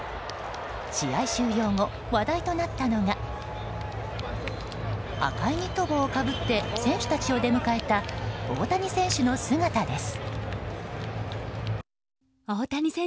試合終了後話題となったのが赤いニット帽をかぶって選手たちを出迎えた大谷選手の姿です。